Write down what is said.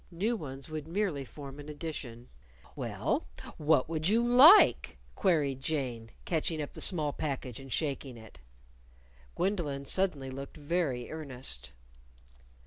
New ones would merely form an addition. "Well, what would you like?" queried Jane, catching up the small package and shaking it. Gwendolyn suddenly looked very earnest.